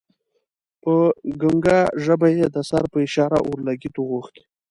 په ګنګه ژبه یې د سر په اشاره اورلګیت وغوښت.